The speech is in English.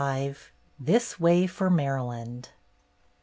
XXV THIS WAY FOR MARYLAND!